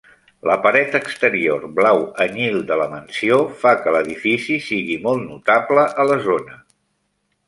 La paret exterior blau anyil de la mansió fa que l'edifici sigui molt notable a la zona.